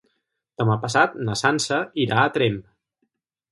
Demà passat na Sança irà a Tremp.